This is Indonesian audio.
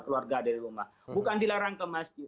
keluarga dari rumah bukan dilarang ke masjid